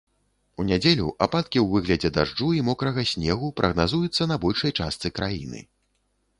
У нядзелю ападкі ў выглядзе дажджу і мокрага снегу прагназуюцца на большай частцы краіны.